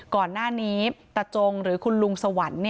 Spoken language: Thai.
ก่อนหน้านี้ตะจงหรือคุณลุงสวรรค์